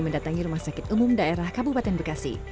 mendatangi rumah sakit umum daerah kabupaten bekasi